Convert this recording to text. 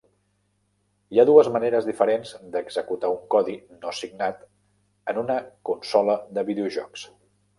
Hi ha dues maneres diferents d'executar un codi no signat en una consola de videojocs.